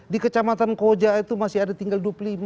di kecamatan koja itu masih ada tinggal dua puluh lima